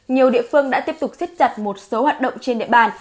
nhiều địa phương đã tiếp tục xiết chặt một số hoạt động trên địa bàn